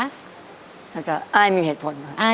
มันก็คืออ้ายมีเหตุผล